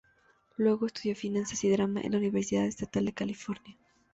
Luego estudió finanzas y drama en la Universidad Estatal de California.